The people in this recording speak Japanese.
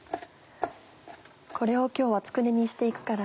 これを今日はつくねにして行くから。